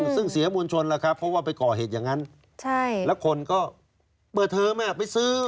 ซึ่งเสียมวลชนแหละครับ